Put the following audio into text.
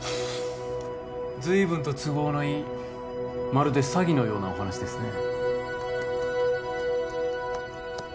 ずいぶんと都合のいいまるで詐欺のようなお話ですね